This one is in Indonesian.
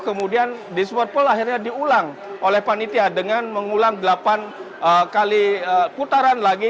kemudian di sport pool akhirnya diulang oleh panitia dengan mengulang delapan kali putaran lagi